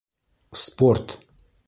Спорт